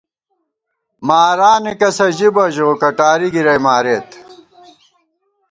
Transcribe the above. مارانے کسہ ژِی بہ ، ژو کٹاری گِرَئی مارېت